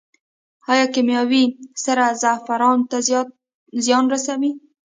آیا کیمیاوي سره زعفرانو ته زیان رسوي؟